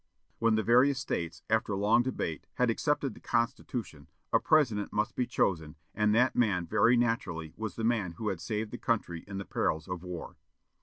When the various States, after long debate, had accepted the Constitution, a President must be chosen, and that man very naturally was the man who had saved the country in the perils of war.